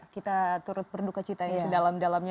kita turut berduka cita yang sedalam dalamnya